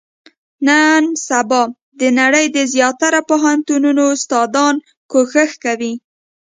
نن سبا، د نړۍ د زیاتره پوهنتونو استادان، کوښښ کوي.